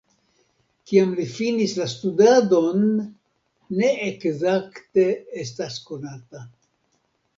Kiam li finis la studadon ne ekzakte estas konata.